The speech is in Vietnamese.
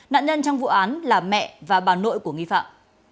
nạn nhân trong vụ án là mẹ và bà nội của nghi phạm